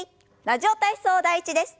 「ラジオ体操第１」です。